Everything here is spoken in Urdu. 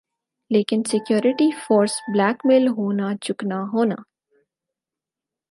لیکن سیکورٹی فورس بلیک میل ہونا چکنا ہونا